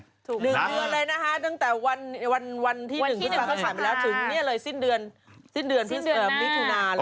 วันที่๑เค้าถามแล้วถึงนี่เลยสิ้นเดือนพฤษกรรมนี้ถึงนานเลย